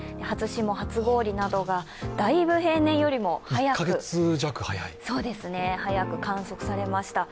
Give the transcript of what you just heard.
初霜・初氷などが、だいぶ平年よりも早く観測されました。